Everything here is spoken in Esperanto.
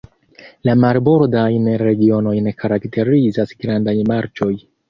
La marbordajn regionojn karakterizas grandaj marĉoj.